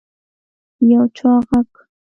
يو چا غږ کړ.